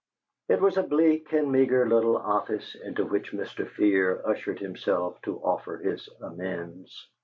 It was a bleak and meagre little office into which Mr. Fear ushered himself to offer his amends.